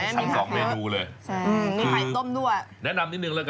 ทั้งสองเมนูเลยพายต้มด้วย